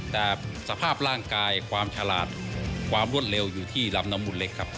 แต่สภาพร่างกายความฉลาดความรวดเร็วอยู่ที่ลำน้ำมุนเล็กครับ